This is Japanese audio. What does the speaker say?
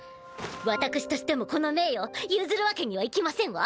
私としてもこの名誉譲るわけにはいきませんわ。